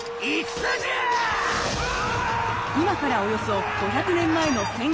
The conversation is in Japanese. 今からおよそ５００年前の戦国時代。